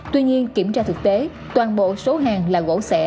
tuy nhiên kiểm tra thực tế toàn bộ số hàng là gỗ xẻ